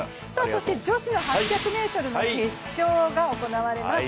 そして女子の８００ｍの決勝が行われます。